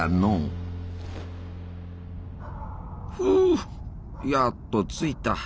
ふうやっと着いた。